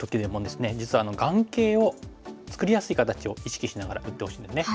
実は眼形を作りやすい形を意識しながら打ってほしいんですね。